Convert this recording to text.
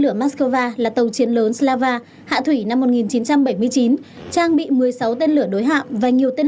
lửa moskva là tàu chiến lớn slava hạ thủy năm một nghìn chín trăm bảy mươi chín trang bị một mươi sáu tên lửa đối hạng và nhiều tên